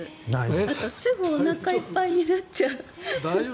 あと、すぐおなかいっぱいになっちゃう。